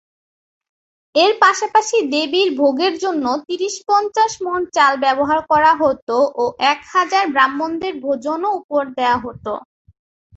এর পাশাপাশি দেবীর ভোগের জন্য তিরিশ-পঞ্চাশ মন চাল ব্যবহার করা হত ও এক হাজার ব্রাহ্মণদের ভোজন ও উপহার দেওয়া হত।